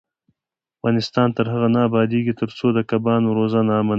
افغانستان تر هغو نه ابادیږي، ترڅو د کبانو روزنه عامه نشي.